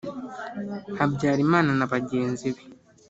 habyarimana na bagenzi be